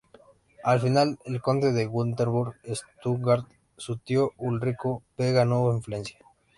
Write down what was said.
Al final, el conde de Wurtemberg-Stuttgart, su tío Ulrico V, ganó influencia.